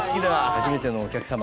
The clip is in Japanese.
初めてのお客様。